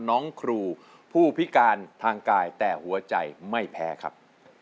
น้องครูผู้พิการทางกายแต่หัวใจไม่แพ้ครับ